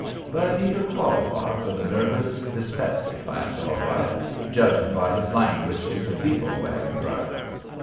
But he could qualify for the nervous dyspepsy class all right, judging by his language to the depot wagon driver.